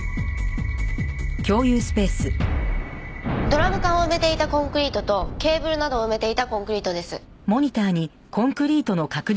ドラム缶を埋めていたコンクリートとケーブルなどを埋めていたコンクリートです。